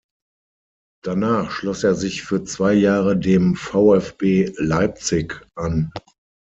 Danach schloss er sich für zwei Jahre dem VfB Leipzig an.